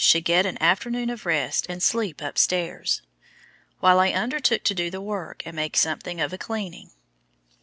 should get an afternoon of rest and sleep upstairs, while I undertook to do the work and make something of a cleaning.